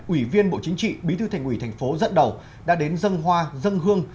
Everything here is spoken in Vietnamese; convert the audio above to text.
ủy viên bộ chính trị bí thư thành ủy thành phố dẫn đầu đã đến dân hoa dân hương